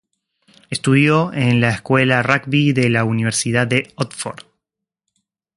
Estudió en la Escuela Rugby de la Universidad de Oxford.